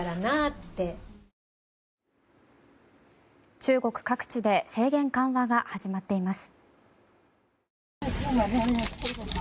中国各地で制限緩和が始まっています。